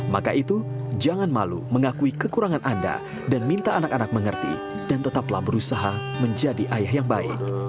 maka itu jangan malu mengakui kekurangan anda dan minta anak anak mengerti dan tetaplah berusaha menjadi ayah yang baik